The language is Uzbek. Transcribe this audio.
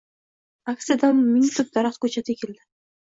Aksiyada ming tub daraxt ko‘chati ekilding